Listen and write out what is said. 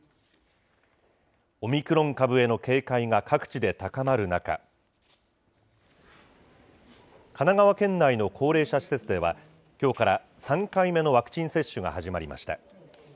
オミクロン株への警戒が各地で高まる中、神奈川県内の高齢者施設では、きょうから３回目のワクチン接種が始まりました。